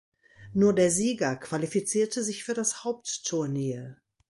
Nur der Sieger qualifizierte sich für das Hauptturnier.